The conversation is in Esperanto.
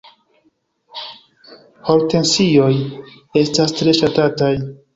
Hortensioj estas tre ŝatataj.